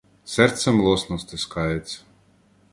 Серце млосно стискається.